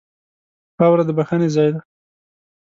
خاوره د بښنې ځای ده.